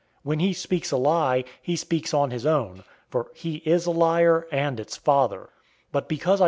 When he speaks a lie, he speaks on his own; for he is a liar, and the father of it.